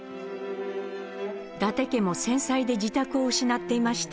伊達家も戦災で自宅を失っていました。